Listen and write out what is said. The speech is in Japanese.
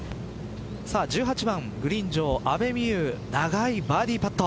１８番グリーン上、阿部未悠長いバーディーパット。